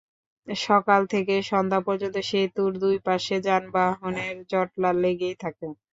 সকাল থেকে সন্ধ্যা পর্যন্ত সেতুর দুই পাশে যানবাহনের জটলা লেগেই থাকে।